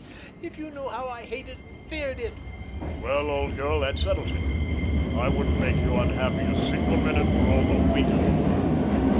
Oh, if you knew how I hated and feared it!" "Well, old girl, that settles it. I wouldn't make you unhappy a single minute for all the wheat in the world."